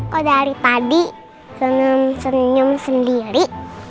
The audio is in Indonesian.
kok dari tadi senyum senyum sendiri